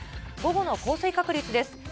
午後の降水確率です。